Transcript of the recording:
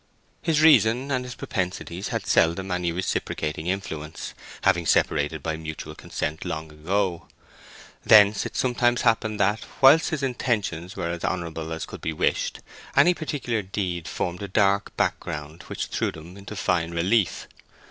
His reason and his propensities had seldom any reciprocating influence, having separated by mutual consent long ago: thence it sometimes happened that, while his intentions were as honourable as could be wished, any particular deed formed a dark background which threw them into fine relief.